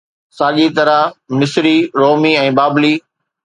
ساڳيءَ طرح مصري، رومي ۽ بابلي